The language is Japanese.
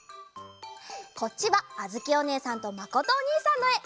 こっちはあづきおねえさんとまことおにいさんのえ。